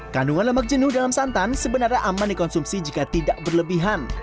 kandungan lemak jenuh dalam santan sebenarnya aman dikonsumsi jika tidak berlebihan